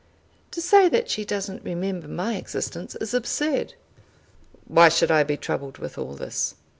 To say that she doesn't remember my existence is absurd." "Why should I be troubled with all this?"